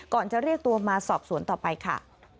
จะเรียกตัวมาสอบสวนต่อไปค่ะ